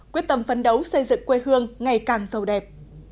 quyết tâm phấn đấu xây dựng quê hương ngày càng sâu đẹp